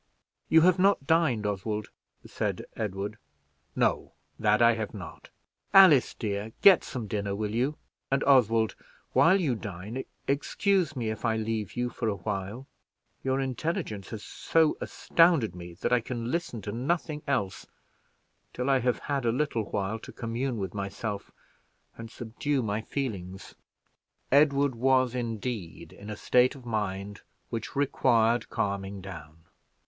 "You have not dined, Oswald?" said Edward. "No, that I have not." "Alice, dear, get some dinner, will you? And Oswald, while you dine, excuse me if I leave you for a while. Your intelligence has so astounded me that I can listen to nothing else till I have had a little while to commune with myself and subdue my feelings." Edward was indeed in a state of mind which required calming down.